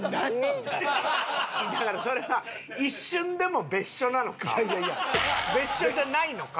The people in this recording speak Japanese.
だからそれは一瞬でも別所なのか別所じゃないのか。